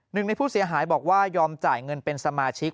หนึ่งในผู้เสียหายบอกว่ายอมจ่ายเงินเป็นสมาชิก